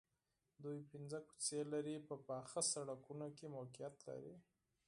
دوی پنځه کوڅې لرې په پاخه سړکونو کې موقعیت لري